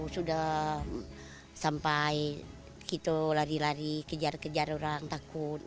sudah sampai gitu lari lari kejar kejar orang takut